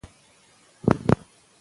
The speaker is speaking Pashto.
د واکسین د مرکزونو فعالیدل اړین دي.